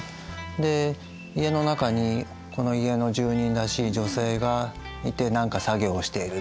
で家の中にこの家の住人らしい女性がいて何か作業をしている。